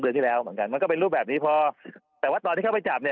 ที่แล้วเหมือนกันมันก็เป็นรูปแบบนี้พอแต่ว่าตอนที่เข้าไปจับเนี่ย